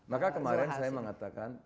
maka kemarin saya mengatakan